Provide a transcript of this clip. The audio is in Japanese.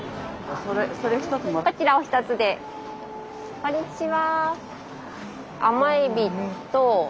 こんにちは。